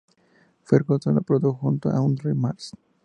Ferguson lo produjo junto con Audrey Marrs.